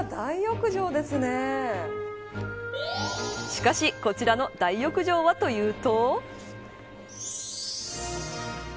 しかしこちらの大浴場はというと。